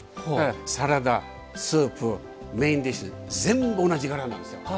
サラダ、スープメインディッシュ全部、同じ柄なんですよ。